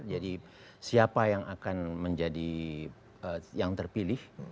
jadi siapa yang akan menjadi yang terpilih